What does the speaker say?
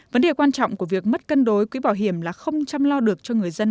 vấn đề quan trọng của việc mất cân đối quỹ bảo hiểm là không chăm lo được cho người dân